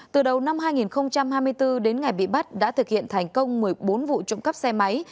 từ đầu năm hai nghìn hai mươi bốn đến ngày bị bắt đã thực hiện thành công một mươi bốn vụ trộm cắp xe máy